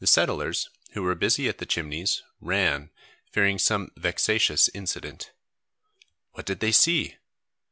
The settlers, who were busy at the Chimneys, ran, fearing some vexatious incident. What did they see?